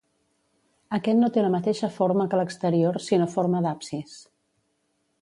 Aquest no té la mateixa forma que l'exterior sinó forma d'absis.